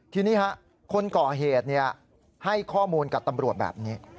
ทีนี้คนก่อเหตุให้ข้อมูลกับตำรวจแบบนี้